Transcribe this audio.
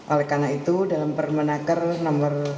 oleh karena itu dalam permenaker no enam